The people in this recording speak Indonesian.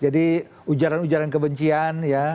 jadi ujaran ujaran kebencian ya